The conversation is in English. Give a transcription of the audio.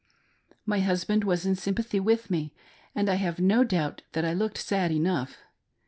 My husband was in sympathy with me, and I have no doubt that I looked sad enough.